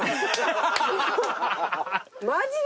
マジで。